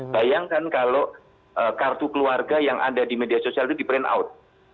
bayangkan kalau kartu keluarga yang ada di media sosial itu di print out